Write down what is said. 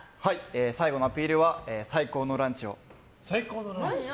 最後のアピールは最高のランチを。